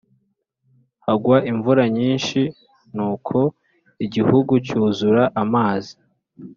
hagwa imvura nyinshi Nuko igihugu cyuzura amazi